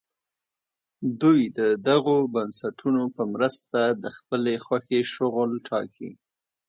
دوی د دغو بنسټونو په مرسته د خپلې خوښې شغل ټاکي.